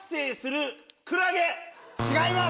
違います！